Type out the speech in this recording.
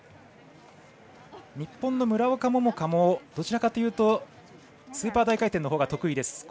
日本の村岡桃佳もどちらかというとスーパー大回転のほうが得意です。